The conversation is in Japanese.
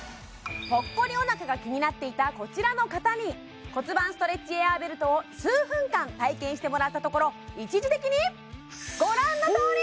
ぽっこりお腹が気になっていたこちらの方に骨盤ストレッチエアーベルトを数分間体験してもらったところ一時的にご覧のとおり！